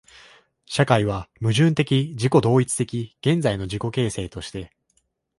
社会は矛盾的自己同一的現在の自己形成として、